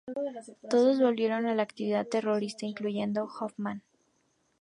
Todos volvieron a la actividad terrorista incluyendo Hofmann.